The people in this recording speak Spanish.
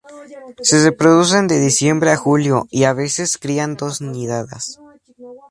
Se reproducen de diciembre a julio, y a veces crían dos nidadas.